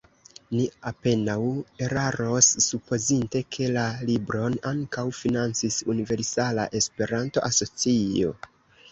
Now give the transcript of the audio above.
Ni apenaŭ eraros, supozinte ke la libron ankaŭ financis Universala Esperanto Asocio.